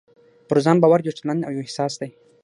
په ځان باور يو چلند او يو احساس دی.